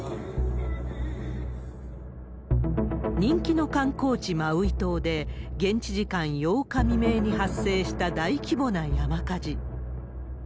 人気の観光地、マウイ島で、現地時間８日未明に発生した大規模な山火事。